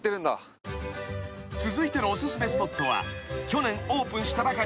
［続いてのお薦めスポットは去年オープンしたばかり］